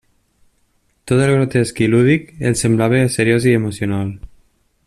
Tot el grotesc i lúdic els semblava seriós i emocional.